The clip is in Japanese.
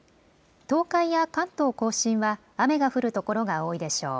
東海や関東甲信は雨が降るところが多いでしょう。